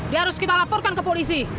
dia harus kita laporkan ke polisi